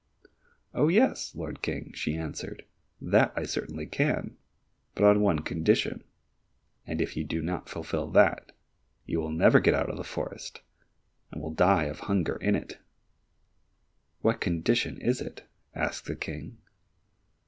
"Oh, yes, Lord King," she answered, "that I certainly can, but on one condition, and if you do not fulfil that, you will never get out of the forest, and will die of hunger in it." "What kind of condition is it?" asked the King.